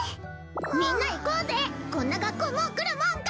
みんな行こうぜこんな学校もう来るもんか！